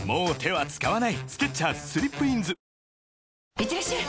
いってらっしゃい！